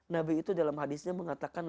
nabi itu dalam hadisnya mengatakan